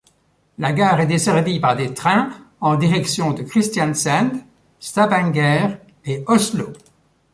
La gare est desservie par des trains en directions de Kristiansand, Stavanger et Oslo.